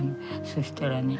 そしたらね